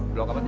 blok apa tadi